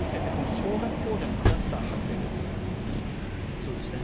小学校でのクラスター発生です。